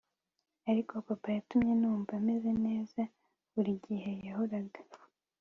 Ariko Papa yatumye numva meze neza burigihe yahoraga